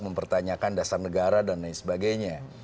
mempertanyakan dasar negara dan lain sebagainya